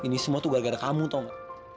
ini semua tuh gara gara kamu tau gak